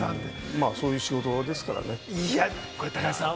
そういう仕事場ですからね。